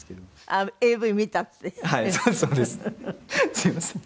すいません。